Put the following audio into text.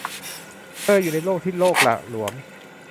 เธออยู่ในโลกที่โลกหละหลวม